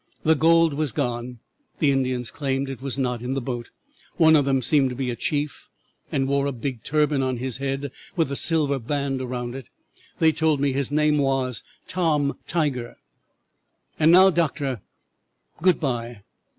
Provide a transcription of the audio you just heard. The gold was gone; the Indians claimed it was not in the boat. One of them seemed to be a chief and wore a big turban on his head with a silver band around it. They told me his name was Tom Tiger. "'And now, doctor, good by.